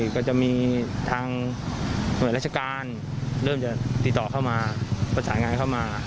ก็จะมีทางหน่วยราชการเริ่มจะติดต่อเข้ามาประสานงานเข้ามา